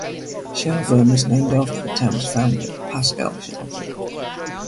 Shelburn was named after the town's founder, Paschal Shelburn.